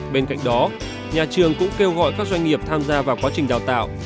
bên cạnh đó nhà trường cũng kêu gọi các doanh nghiệp tham gia vào quá trình đào tạo